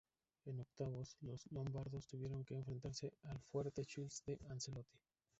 En octavos, los lombardos tuvieron que enfrentarse al fuerte Chelsea de Ancelotti.